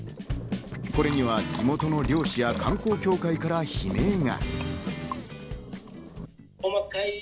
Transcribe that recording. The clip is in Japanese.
これには地元の漁師や観光協会から悲鳴が。